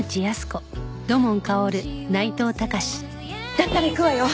だったら行くわよ。